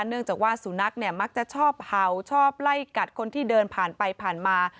เนื่องจากว่าสุนัขเนี่ยมักจะชอบเห่าชอบไล่กัดคนที่เดินผ่านไปผ่านมา